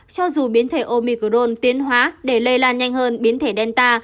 cho dù biến thể omicron tiến hóa để lây lan nhanh hơn biến thể delta